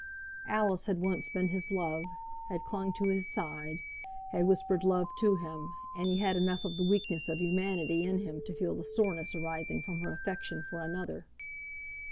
Alice had once been his love, had clung to his side, had whispered love to him, and he had enough of the weakness of humanity in him to feel the soreness arising from her affection for another.